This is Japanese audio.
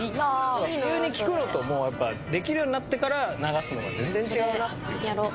普通に聴くのともうやっぱできるようになってから流すのは全然違うなっていう。